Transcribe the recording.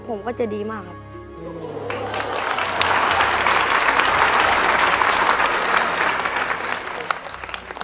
ผมก็จะดีมากครับ